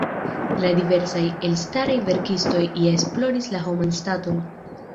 La diversaj elstaraj verkistoj ja esploris la homan staton.